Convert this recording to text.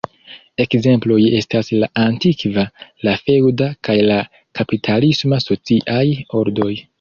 Ekzemploj estas la antikva, la feŭda, kaj la kapitalisma sociaj ordoj.